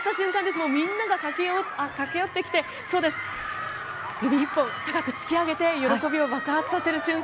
もうみんなが駆け寄ってきて指１本高く突き上げて喜びを爆発させる瞬間